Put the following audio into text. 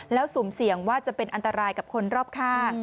แล้วสุ่มเสี่ยงว่าจะเป็นอันตรายกับคนรอบข้าง